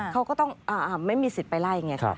เขาก็ต้องไม่มีสิทธิ์ไปไล่ไง